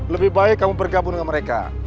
lebih baik kamu bergabung dengan mereka